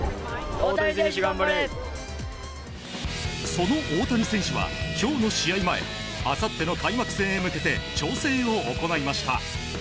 その大谷選手は今日の試合前あさっての開幕戦へ向けて調整を行いました。